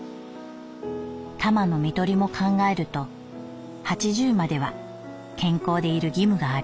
タマの看取りも考えると八十までは健康でいる義務がある。